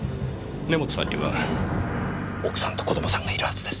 根元さんには奥さんと子供さんがいるはずです。